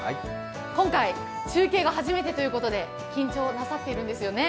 今回、中継が初めてということで緊張なさってるんですよね？